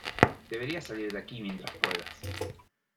Deberías salir de aquí mientras puedas.